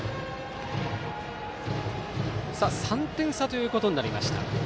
３点差ということになりました。